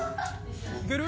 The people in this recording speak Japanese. いける？